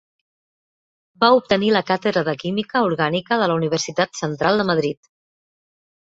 Va obtenir la càtedra de química orgànica de la Universitat Central de Madrid.